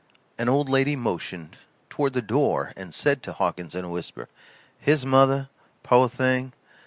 An old lady motioned, toward the door and said to Hawkins in a whisper: "His mother, po' thing.